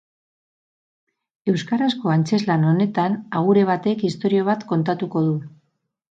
Euskarazko antzezlan honetan agure batek istorio bat kontatuko du.